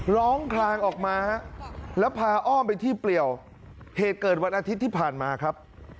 คลางออกมาฮะแล้วพาอ้อมไปที่เปลี่ยวเหตุเกิดวันอาทิตย์ที่ผ่านมาครับ